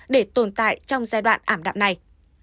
để tồn tại trong giai đoạn ảm đạp này